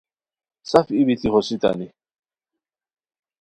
سف ای بیتی ہوسیتانی